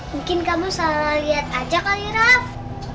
mungkin kamu salah liat aja kali rafa